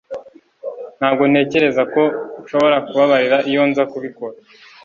ntabwo ntekereza ko nshobora kubabarira iyo nza kubikora